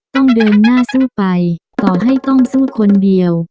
ต้องเดินหน้าสู้ไปต่อให้ต้องสู้คนเดียว